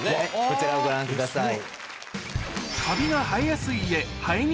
こちらをご覧ください。